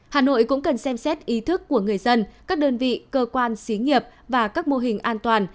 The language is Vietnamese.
hà nội cũng cần xem xét ý thức của người dân các đơn vị cơ quan xí nghiệp và các mô hình an toàn